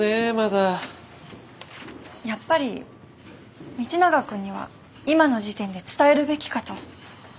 やっぱり道永君には今の時点で伝えるべきかと。